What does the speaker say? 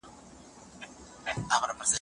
د غیر مسلمانانو سره په حکومت کي څه چلند کيده؟